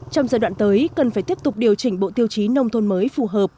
trong giai đoạn tới cần phải tiếp tục điều chỉnh bộ tiêu chí nông thôn mới phù hợp